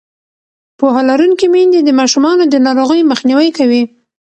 پوهه لرونکې میندې د ماشومانو د ناروغۍ مخنیوی کوي.